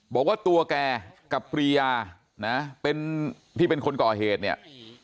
บอกว่าตัวแกกับปรียานะเป็นที่เป็นคนก่อเหตุเนี่ย